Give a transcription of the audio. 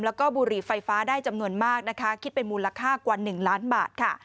และบุหรี่ไฟฟ้าได้จำนวนมากคิดเป็นมูลค่ากว่า๑ล้านบาท